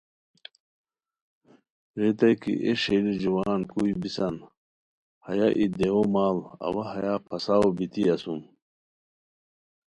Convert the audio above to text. ریتائے کی اے ݰئیلی جوان کوئی بیسان! ہیہ ای دیوؤ ماڑ اوا ہیہ پھساؤ بیتی اسوم